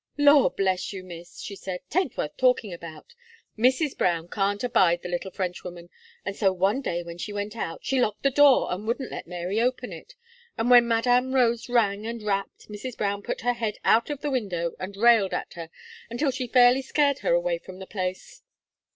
"Law bless you, Miss!" she said, '"tain't worth talking about. Mrs. Brown can't abide the little Frenchwoman; and so, one day when she went out, she locked the door, and wouldn't let Mary open it; and when Madame Rose rang and rapped, Mrs. Brown put her head out of the window, and railed at her, until she fairly scared her away from the place."